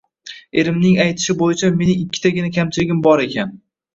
Erimning aytishi bo'yicha, mening ikkitagina kamchiligim bor ekan